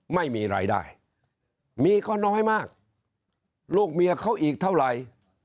ไม่มีรายได้มีก็น้อยมากลูกเมียเขาอีกเท่าไหร่